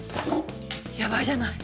やばいじゃない！